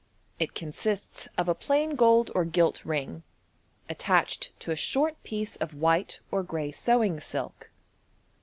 It consists of a plain gold or gilt ring, attached to a short piece of white or grey gewing silk.